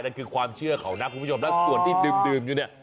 นั่นคือความเชื่อเขานะคุณผู้ชมแล้วส่วนที่ดื่มอยู่เนี่ย